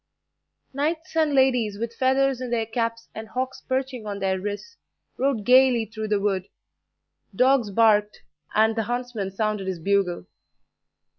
Knights and ladies, with feathers in their caps and hawks perching on their wrists, rode gaily through the wood; dogs barked, and the huntsman sounded his bugle.